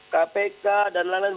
kpk dan lain lain